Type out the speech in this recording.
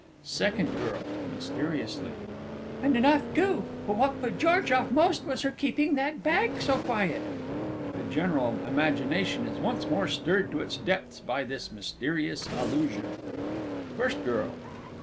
_ SECOND GIRL (mysteriously). And enough too! But what put George off most was her keeping that bag so quiet. [The general imagination is once more stirred to its depths by this mysterious allusion. FIRST GIRL.